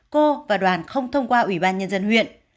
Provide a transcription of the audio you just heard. cô và đoàn không thông qua ủy ban nhân dân huyện